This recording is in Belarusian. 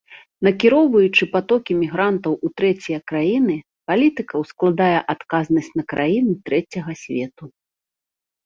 Накіроўваючы патокі мігрантаў у трэція краіны, палітыка ускладае адказнасць на краіны трэцяга свету.